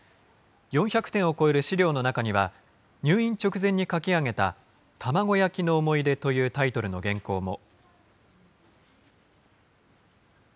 ４００点を超える資料の中には、入院直前に書き上げた卵焼きの想い出というタイトルの原稿も。